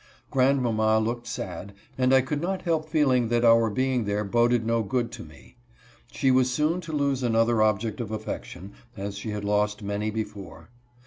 Grandmamma looked sad, and I could not help feeling that our being there boded no good to me. She was soon to lose another object of affection, as she had lost many before.